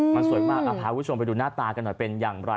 มันสวยมากพาคุณผู้ชมไปดูหน้าตากันหน่อยเป็นอย่างไร